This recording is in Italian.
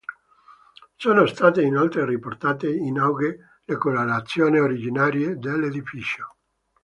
Sono state inoltre riportate in auge le colorazioni originarie dell'edificio.